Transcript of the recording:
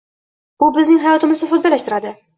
Bu bizning hayotimizni soddalashtiradi.